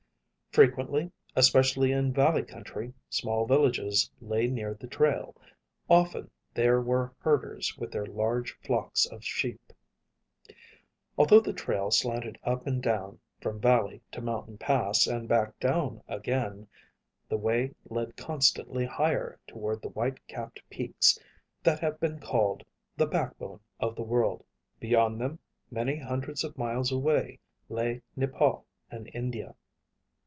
Frequently, especially in valley country, small villages lay near the trail. Often there were herders with their large flocks of sheep. Although the trail slanted up and down, from valley to mountain pass and back down again, the way led constantly higher toward the white capped peaks that have been called "The Backbone of the World." Beyond them, many hundreds of miles away, lay Nepal and India.